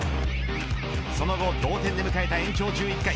その後、同点で迎えた延長１１回